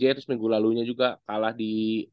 dia terus minggu lalunya juga kalah di